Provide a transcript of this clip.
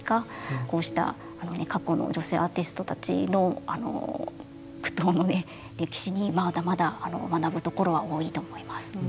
こうした過去の女性アーティストたちの苦闘の歴史にまだまだ学ぶところは多いと思います。